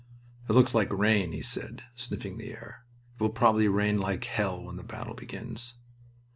"It looks like rain," he said, sniffing the air. "It will probably rain like hell when the battle begins."